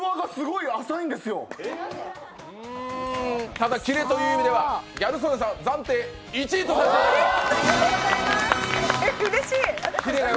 ただ、キレという意味ではギャル曽根さん、暫定１位とさせていただきます。